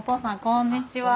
こんにちは。